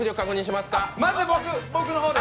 まず僕の方で。